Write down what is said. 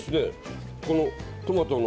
このトマトの。